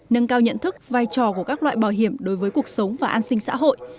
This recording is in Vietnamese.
nâng cao nhận thức vai trò của các loại bảo hiểm đối với cuộc sống và an sinh xã hội